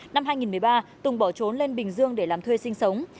năm hai nghìn một mươi ba tùng bỏ trốn lên bình dương để làm thuê sinh sống